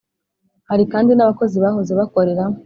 Hari kandi n abakozi bahoze bakorera